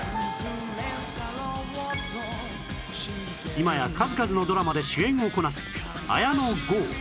今や数々のドラマで主演をこなす綾野剛